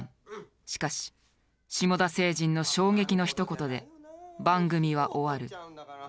しかしシモダ星人の衝撃のひと言で番組は終わる。